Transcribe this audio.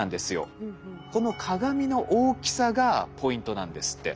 この鏡の大きさがポイントなんですって。